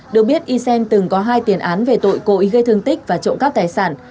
được biết ysen từng có hai tiền án về tội cội gây thương tích và trộm cắp tài sản